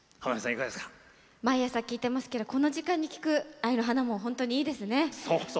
毎朝聴いてますけどこの時間に聴く「愛の花」も本当にいいですね。